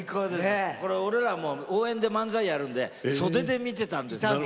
応援で漫才をやるんで袖で見てたんですよ。